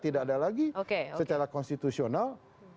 tidak ada lagi secara konstitusional